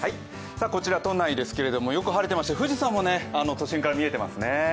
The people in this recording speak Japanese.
こちら都内ですけれども、よく晴れていまして富士山も都心から見えてますね。